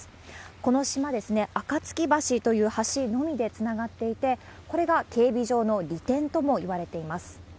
この島ですね、暁橋という橋のみでつながっていて、これが警備上の利点ともいわれています。